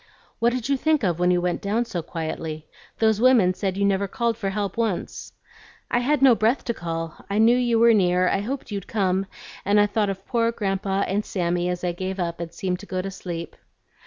"What did you think of when you went down so quietly? Those women said you never called for help once." "I had no breath to call. I knew you were near, I hoped you'd come, and I thought of poor Grandpa and Sammy as I gave up and seemed to go to sleep."